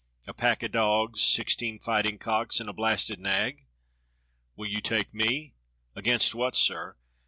^ A pack o' dogs, sixteen fighting cocks, and a blasted nag.^^ Will you take me? " "Against what, sir.